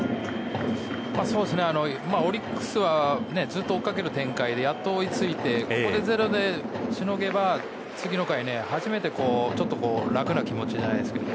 オリックスはずっと追っかける展開でやっと追いついてここでゼロでしのげば次の回は初めてちょっと楽な気持ちじゃないですけど。